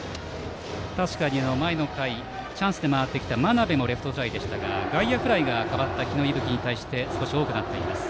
前の回チャンスで回ってきた真鍋もレフトフライでしたが外野フライが代わった日野勇吹に対しては多くなっています。